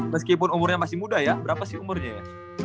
meskipun umurnya masih muda ya berapa sih umurnya ya